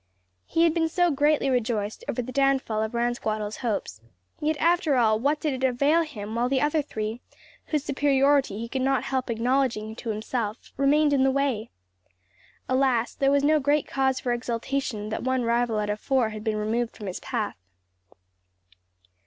He had been so greatly rejoiced over the downfall of Ransquattle's hopes; yet after all what did it avail him while the other three, whose superiority he could not help acknowledging to himself, remained in the way? Alas, there was no great cause for exultation that one rival out of four had been removed from his path.